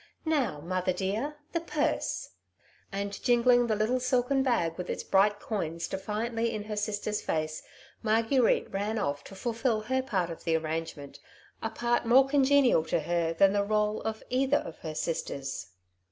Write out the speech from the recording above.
Now, mother dear, the purse !" And jingling the little silken bag with its bright coins defiantly in her sister's face, Maguerite ran off to fulfil her part of the arrangement, a part more congenial to her than the role of either of her sisters.